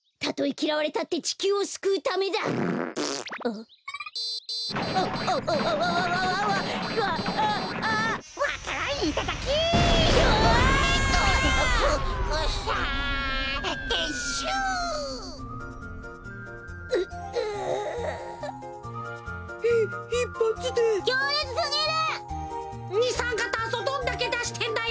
きょうれつすぎる！にさんかたんそどんだけだしてんだよ！